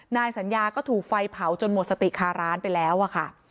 นายสัญญาก็ถูกไฟเผาจนหมดสติคาร้านไปแล้วอะค่ะ